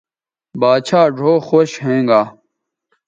باچھا ڙھؤ خوش ھوینگا